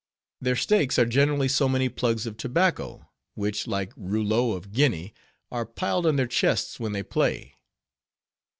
Their stakes are generally so many plugs of tobacco, which, like rouleaux of guineas, are piled on their chests when they play.